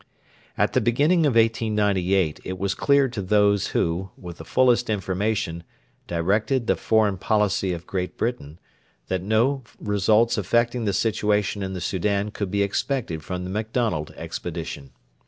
At the beginning of 1898 it was clear to those who, with the fullest information, directed the foreign policy of Great Britain that no results affecting the situation in the Soudan could be expected from the Macdonald Expedition.